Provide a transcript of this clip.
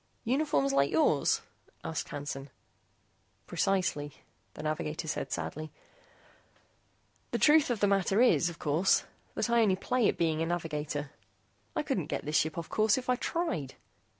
"Uniforms like yours?" asked Hansen. "Precisely," the navigator said sadly. "The truth of the matter is, of course, that I only play at being a navigator. I couldn't get this ship off course, if I tried.